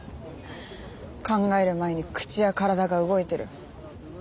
考える前に口や体が動いてる。